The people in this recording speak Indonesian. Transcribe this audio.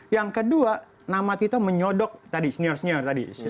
yang kedua nama tito menyodok tadi senior senior tadi